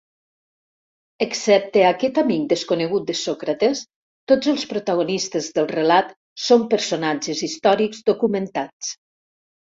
Excepte aquest amic desconegut de Sòcrates, tots els protagonistes del relat són personatges històrics documentats.